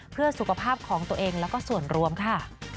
เพื่อสุขภาพของตัวเองแล้วก็ส่วนรวมค่ะ